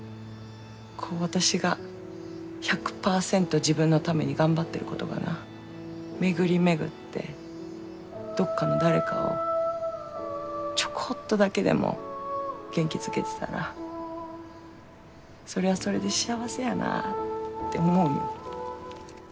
こう私が１００％自分のために頑張ってることがな巡り巡ってどっかの誰かをちょこっとだけでも元気づけてたらそれはそれで幸せやなあって思うんよ。